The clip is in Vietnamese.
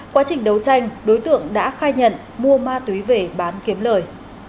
quá trình đấu tranh đối tượng đã khai nhận mua ma túy về bán kiếm lời